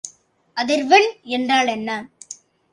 அதிர்வெண் என்றால் என்ன?